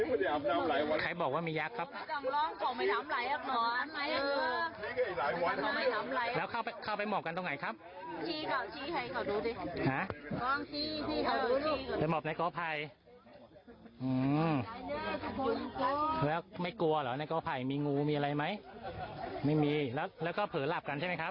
แล้วไม่กลัวเหรอในกอไผ่มีงูมีอะไรไหมไม่มีแล้วแล้วก็เผลอหลับกันใช่ไหมครับ